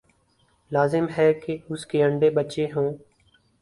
لازم ہے کہ اس کے انڈے بچے ہوں۔